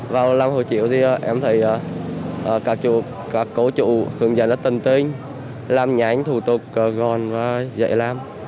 vào làm hồ chiếu thì em thấy các cổ trụ hướng dẫn rất tân tinh làm nhanh thủ tục gọn và dễ làm